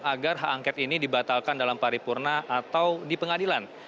agar hak angket ini dibatalkan dalam paripurna atau di pengadilan